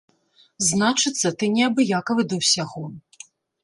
Значыцца, ты неабыякавы да ўсяго.